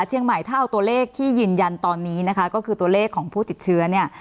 เชียงใหม่ถ้าเอาตัวเลขที่ยืนยันตอนนี้นะคะก็คือตัวเลขของผู้ติดเชื้อเนี่ย